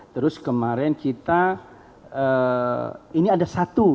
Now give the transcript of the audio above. terus kemarin kita ini ada satu